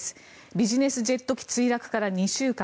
ビジネスジェット機墜落から２週間。